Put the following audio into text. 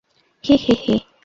হি হি হি!